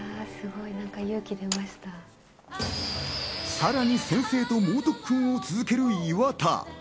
さらに先生と猛特訓を続ける岩田。